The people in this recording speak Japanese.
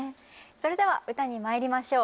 それでは歌にまいりましょう。